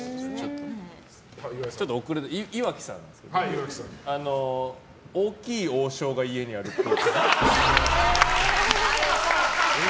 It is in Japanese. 遅れて、岩城さんなんですけど大きい王将が家にあるっぽい。